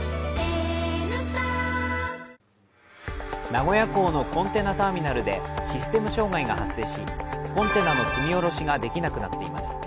名古屋港のコンテナターミナルでシステム障害が発生し、コンテナの積み降ろしができなくなっています。